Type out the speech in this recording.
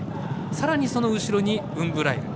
さらに、その後ろにウンブライル。